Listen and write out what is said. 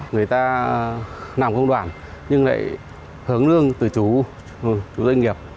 người ta làm công đoàn nhưng lại hướng lương từ chủ doanh nghiệp